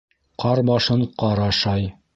Ҡар башын ҡар ашай